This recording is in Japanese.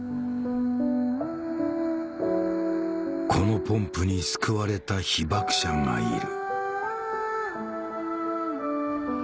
このポンプに救われた被爆者がいる